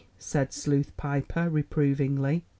said Sleuth Piper reprovingly.